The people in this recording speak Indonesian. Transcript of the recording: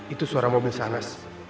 itu suara mobil sanas